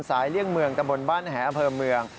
เลี่ยงเมืองตะบนบ้านแหอำเภอเมือง